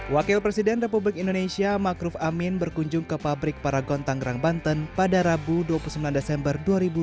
wakil presiden republik indonesia makruf amin berkunjung ke pabrik paragon tangerang banten pada rabu dua puluh sembilan desember dua ribu dua puluh